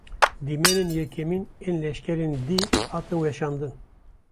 Dîmenên yekemîn ên leşkerên dîl, hatin weşandin